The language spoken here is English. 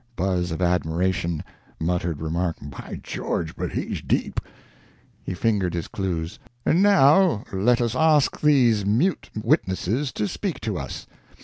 (Buzz of admiration; muttered remark, "By George, but he's deep!") He fingered his clues. "And now let us ask these mute witnesses to speak to us.